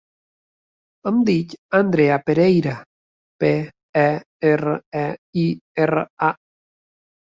Em dic Andrea Pereira: pe, e, erra, e, i, erra, a.